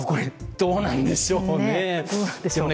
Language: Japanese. どうなんでしょうね。